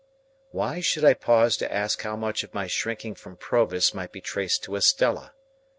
Why should I pause to ask how much of my shrinking from Provis might be traced to Estella?